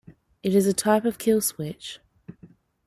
It is a type of kill switch.